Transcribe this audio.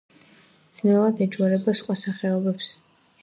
ძნელად ეჯვარება სხვა სახეობებს.